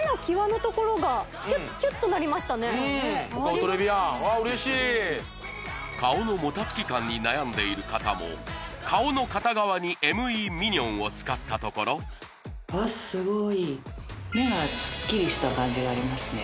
トレビアンああ嬉しい顔のもたつき感に悩んでいる方も顔の片側にＭＥミニョンを使ったところ目がスッキリした感じがありますね